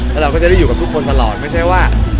แล้วเราก็จะได้อยู่กับทุกคนตลอดไม่ใช่ว่า